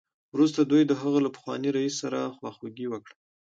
وروسته دوی د هغه له پخواني رییس سره خواخوږي وکړه